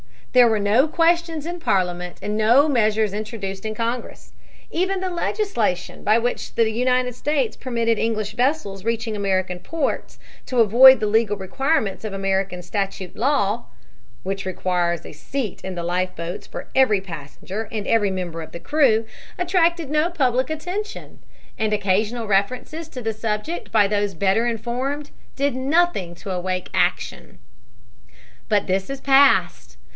There were no questions in Parliament and no measures introduced in Congress. Even the legislation by which the United States permitted English vessels reaching American ports to avoid the legal requirements of American statute law (which requires a seat in the life boats for every passenger and every member of the crew) attracted no public attention, and occasional references to the subject by those better informed did nothing to awake action. But this is past.